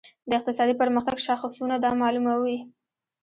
د اقتصادي پرمختګ شاخصونه دا معلوموي.